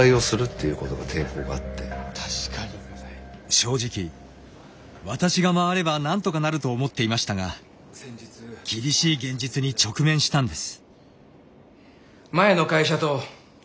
正直私が回ればなんとかなると思っていましたが厳しい現実に直面したんです。